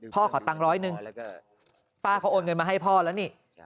ขอตังค์ร้อยหนึ่งป้าเขาโอนเงินมาให้พ่อแล้วนี่